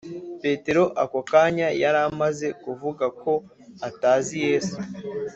petero ako kanya yari amaze kuvuga ko atazi yesu,